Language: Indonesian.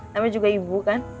namanya juga ibu kan